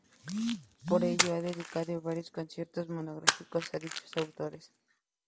Por ello ha dedicado varios conciertos monográficos a dichos autores.